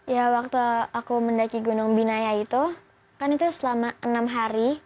ya waktu aku mendaki gunung binaya itu kan itu selama enam hari